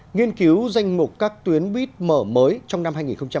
nghiên cứu danh mục các tuyến buýt mở mới trong năm hai nghìn hai mươi